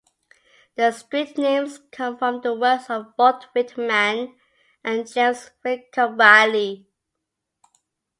The street names come from the works of Walt Whitman and James Whitcomb Riley.